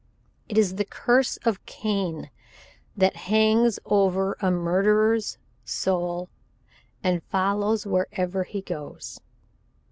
It is the curse of Cain that hangs over a murderer's soul, and follows wherever he goes.